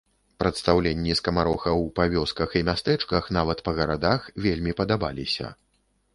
Прадстаўленні скамарохаў па вёсках і мястэчках, нават па гарадах, вельмі падабаліся.